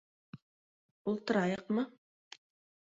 Ултырайыҡмы?